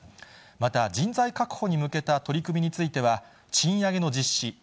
また、人材確保に向けた取り組みについては、賃上げの実施、以上、